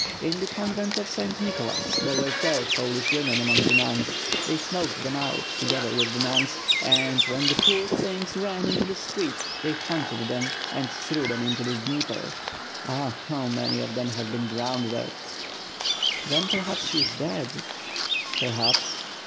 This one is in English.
In the convent of Saint Nicho las there were twelve Polish women among the nuns; they smoked them out, together with the nuns, and, when the poor things ran into the street, they hunted them and threw them into the Dnieper. Ah, how many of them have been drowned there!" "Then perhaps she i« dead." "Perhaps.'